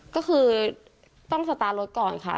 ก็คือต้องสตาร์ทรถก่อนค่ะ